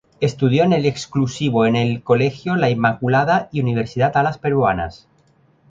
Estudió en el exclusivo en el colegio La Inmaculada y universidad Alas Peruanas.